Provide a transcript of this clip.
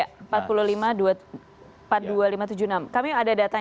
kami ada datanya bisa dikatakan